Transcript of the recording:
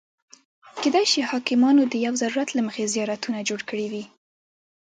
کېدای شي حاکمانو د یو ضرورت له مخې زیارتونه جوړ کړي وي.